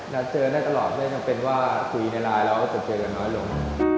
แล้วเจอได้ตลอดไม่จำเป็นว่าคุยในไลน์แล้วจะเจอกันน้อยลง